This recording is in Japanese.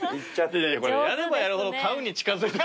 やればやるほど買うに近づいて。